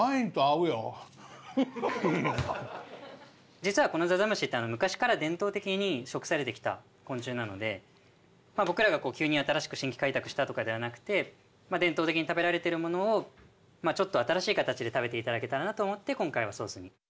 実はこのざざむしって昔から伝統的に食されてきた昆虫なので僕らが急に新しく新規開拓したとかではなくて伝統的に食べられてるものをちょっと新しい形で食べていただけたらなと思って今回はソースに。